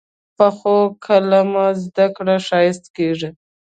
پخو قلمه زده کړه ښایسته کېږي